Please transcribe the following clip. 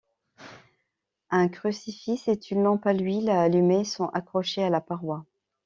Un crucifix et une lampe à huile allumée sont accrochés à la paroi.